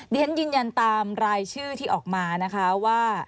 เรียนยืนยันตามรายชื่อที่ออกมานะคะว่า